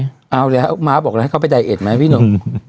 เอาแล้วมาบอกแล้วเขาไปไดเอ็ดมั้ยพี่หนุ่ม